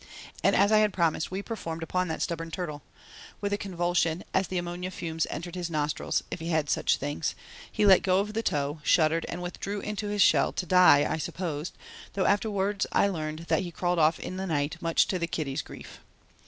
And as I had promised we performed upon that stubborn turtle. With a convulsion, as the ammonia fumes entered his nostrils, if he had such things, he let go of the toe, shuddered and withdrew into his shell, to die, I supposed, though I afterwards learned that he crawled off in the night, much to the kiddie's grief.